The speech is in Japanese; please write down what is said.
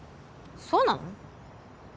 そうなの？